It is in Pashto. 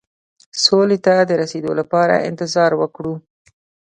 سولې ته د رسېدو لپاره انتظار وکړو.